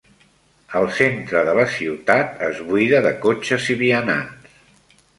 El centre de la ciutat es buida de cotxes i vianants.